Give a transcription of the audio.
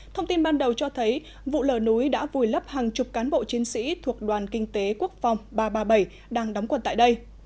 thông tin ban đầu cho thấy vụ lở núi đã vùi lấp hàng chục cán bộ chiến sĩ thuộc đoàn kinh tế quốc phòng ba trăm ba mươi bảy đang đóng quần tại đây